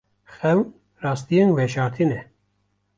Xewn rastiyên veşartî ne.